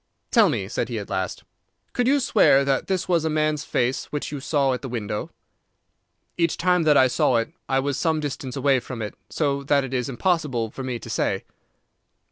"Tell me," said he at last, "could you swear that this was a man's face which you saw at the window?" "Each time that I saw it I was some distance away from it, so that it is impossible for me to say."